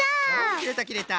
きれたきれた。